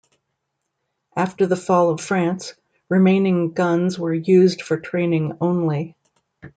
After the Fall of France, remaining guns were used for training only.